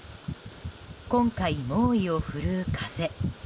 今回、猛威を振るう風。